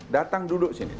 datang duduk sini